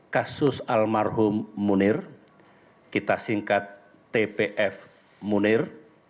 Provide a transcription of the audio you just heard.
kasus almarhum munir kita singkat tpf munir